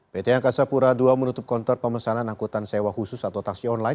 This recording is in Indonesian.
pt angkasa pura ii menutup konter pemesanan angkutan sewa khusus atau taksi online